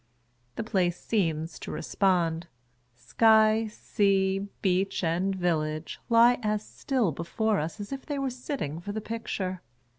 The place seems to respond. Sk'y, sea, beach, and village, lie as still before us as if they were sitting for the picture.